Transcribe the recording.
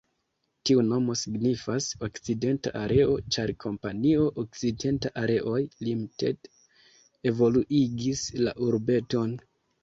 Tiu nomo signifas: 'okcidenta areo', ĉar kompanio "Okcidenta Areoj Ltd" evoluigis la urbeton.